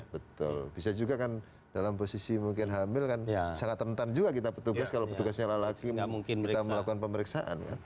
betul bisa juga kan dalam posisi mungkin hamil kan sangat rentan juga kita petugas kalau petugasnya lelaki kita melakukan pemeriksaan kan